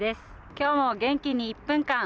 今日も元気に「１分間！